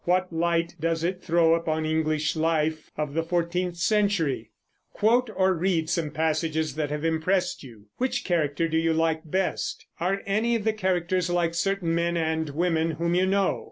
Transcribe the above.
What light does it throw upon English life of the fourteenth century? Quote or read some passages that have impressed you. Which character do you like best? Are any of the characters like certain men and women whom you know?